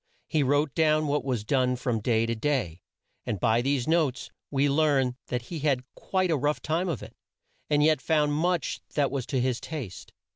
He wrote down what was done from day to day, and by these notes we learn that he had quite a rough time of it, and yet found much that was to his taste.